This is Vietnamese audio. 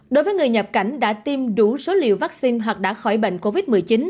đối với người nhập cảnh đã tiêm đủ số liều vaccine hoặc đã khỏi bệnh covid một mươi chín